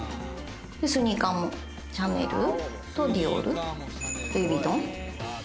スニーカーもシャネルとディオール、ルイ・ヴィトン。